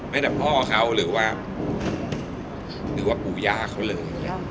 ไม่แต่พ่อเขาหรือว่าอุญาเขาเลย